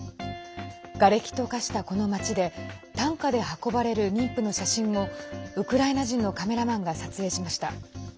がれきと化した、この町で担架で運ばれる妊婦の写真をウクライナ人のカメラマンが撮影しました。